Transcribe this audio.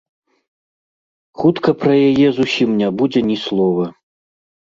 Хутка пра яе зусім не будзе ні слова.